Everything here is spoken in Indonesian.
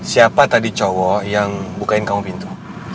siapa tadi cowok yang bukain kamu pintu